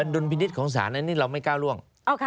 ดุลพินิษฐ์ของศาลอันนี้เราไม่ก้าวร่วง